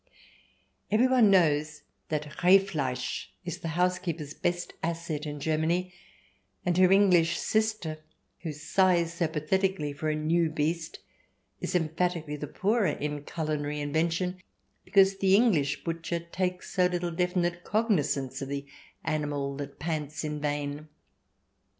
Everyone knows that Rehfleisch is the house keeper's best asset in Germany, and her English sister who sighs so pathetically for a " new beast " is emphatically the poorer in culinary invention, because the English butcher takes so little definite cognizance of the animal that pants in vain.